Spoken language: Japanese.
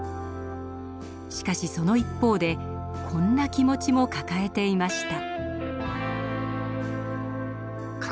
しかしその一方でこんな気持ちも抱えていました。